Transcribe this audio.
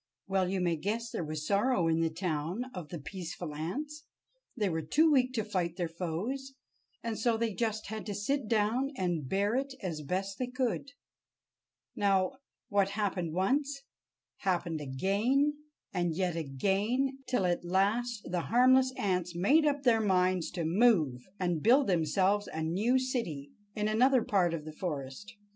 Well, you may guess there was sorrow in the town of the peaceful ants. They were too weak to fight their foes, and so they just had to sit down and bear it as best they could. Now, what happened once, happened again, and yet again, till at last the harmless ants made up their minds to move and build themselves a new city in another part of the forest.